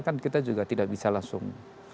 kan kita juga tidak bisa langsung